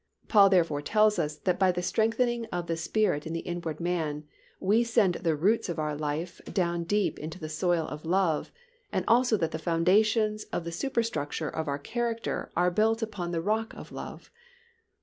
Paul therefore tells us that by the strengthening of the Spirit in the inward man we send the roots of our life down deep into the soil of love and also that the foundations of the superstructure of our character are built upon the rock of love.